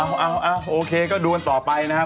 เอาโอเคก็ดูกันต่อไปนะครับ